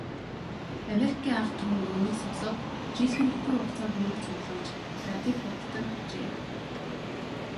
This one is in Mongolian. Америкийн ард түмэн үүнийг сонсоод жил хүрэхгүй хугацаанд мөнгө цуглуулж, радийг худалдан авчээ.